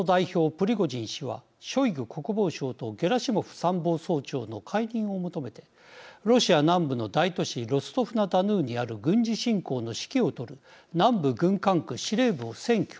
プリゴジン氏はショイグ国防相とゲラシモフ参謀総長の解任を求めてロシア南部の大都市ロストフ・ナ・ダヌーにある軍事侵攻の指揮を執る南部軍管区司令部を占拠。